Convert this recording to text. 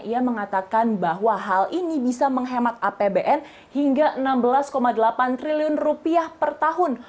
ia mengatakan bahwa hal ini bisa menghemat apbn hingga rp enam belas delapan triliun per tahun